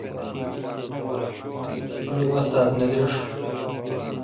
می استاد نہ درݭ ۔